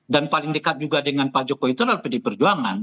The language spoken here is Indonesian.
dan paling dekat juga dengan pak jokowi itu adalah pdi perjuangan